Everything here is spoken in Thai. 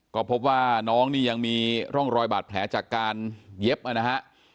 ก็พบว่าน้องนี่ยังมีร่องรอยบาดแผลจากการเย็บนะฮะ